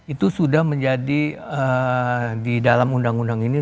itu sudah menjadi di dalam undang undang ini